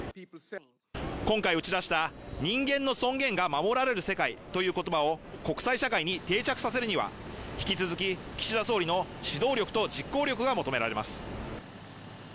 今回打ち出した人間の尊厳が守られる世界という言葉を国際社会に定着させるには引き続き岸田総理の指導力と実行力が求められます